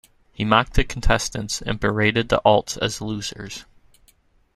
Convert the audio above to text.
He mocked the contestants and berated the alts as "losers".